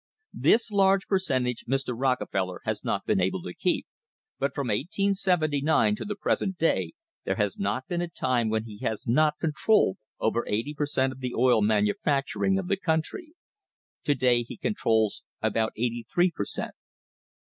f This large percentage Mr. Rockefeller has not been able to keep, but from 1879 to the present day there has not been a time when he has not con trolled over eighty per cent, of the oil manufacturing of the country. To day he controls about eighty three per cent.